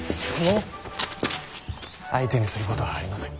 相手にすることはありません。